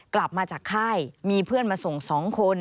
กลับมาจากค่ายมีเพื่อนมาส่ง๒คน